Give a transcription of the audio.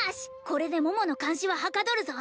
これで桃の監視ははかどるぞ！